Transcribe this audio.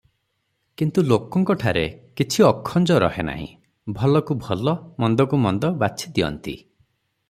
କିନ୍ତୁ ଲୋକଙ୍କଠାରେ କିଛି ଅଖଞ୍ଜ ରହେ ନାହିଁ, ଭଲକୁ ଭଲ, ମନ୍ଦକୁ ମନ୍ଦ, ବାଛିଦିଅନ୍ତି ।